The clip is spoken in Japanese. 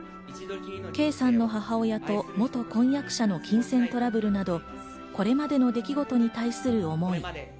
圭さんの母親と元婚約者の金銭トラブルなどこれまでの出来事に対する思い。